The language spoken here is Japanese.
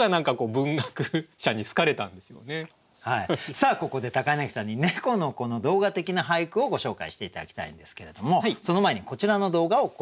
さあここで柳さんに「猫の子」の動画的な俳句をご紹介して頂きたいんですけれどもその前にこちらの動画をご覧下さい。